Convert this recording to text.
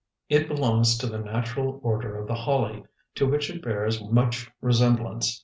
It belongs to the natural order of the holly, to which it bears much resemblance.